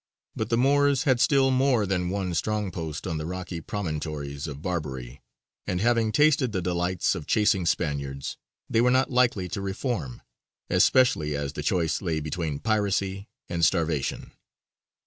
But the Moors had still more than one strong post on the rocky promontories of Barbary, and having tasted the delights of chasing Spaniards, they were not likely to reform, especially as the choice lay between piracy and starvation.